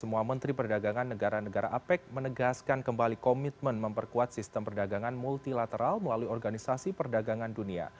semua menteri perdagangan negara negara apec menegaskan kembali komitmen memperkuat sistem perdagangan multilateral melalui organisasi perdagangan dunia